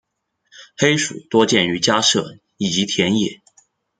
黑鼠多见于家舍以及田野。